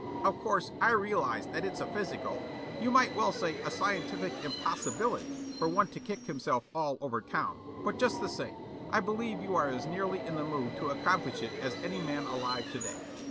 "Of course, I realize that it's a physical, you might well say, a scientific impossibility, for one to kick himself all over town, but just the same, I believe you are as nearly in the mood to accomplish it as any man alive to day."